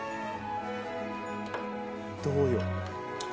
どうよ？